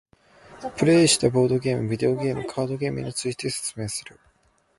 プレーしたボードゲームビデオゲームカードゲームについて説明する。